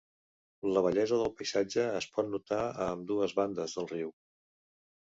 La bellesa del paisatge es pot notar a ambdues bandes del riu.